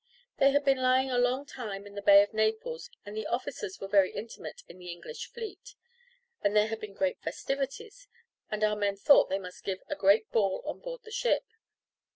They had been lying a long time in the Bay of Naples, and the officers were very intimate in the English fleet, and there had been great festivities, and our men thought they must give a great ball on board the ship.